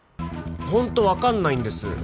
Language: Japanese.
ホント分かんないんです